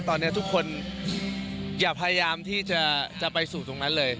ตอนนี้ทุกคนอย่าพยายามที่จะไปสู่ตรงนั้นเลย